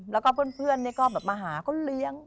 แล้วก็เพื่อนก็แบบมาหาก็เลี้ยง